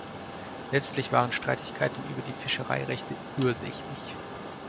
Letztlich waren Streitigkeiten über die Fischereirechte ursächlich.